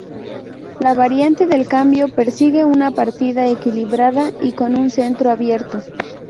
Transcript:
La variante del cambio persigue una partida equilibrada y con un centro abierto.